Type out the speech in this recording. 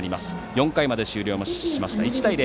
４回まで終了して、１対０。